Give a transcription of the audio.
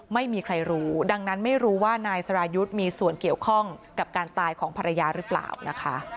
ไม่มีใครรู้ดังนั้นไม่รู้ว่านายสรายุทธ์มีส่วนเกี่ยวข้องกับการตายของภรรยาหรือเปล่านะคะ